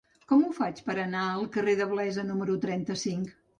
Com ho faig per anar al carrer de Blesa número trenta-cinc?